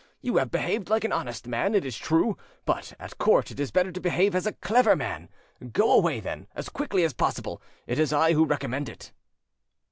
You have behaved like an honest man, it is true; but at court it is better to behave as a clever man. Go away, then, as quickly as possible; it is I who recommend it."